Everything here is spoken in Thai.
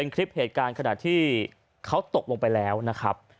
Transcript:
ขนาดที่เขาตกลงไปแล้วนะครับ